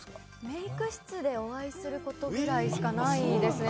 メイク室でお会いすることぐらいしかないですね。